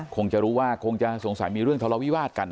คงจะรู้ว่าคงจะสงสัยมีเรื่องทะเลาวิวาสกัน